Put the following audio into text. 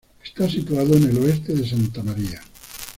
Está situado en el oeste de Santa Maria.